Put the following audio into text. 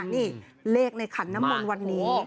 นี่เลขในขันน้ำมนต์วันนี้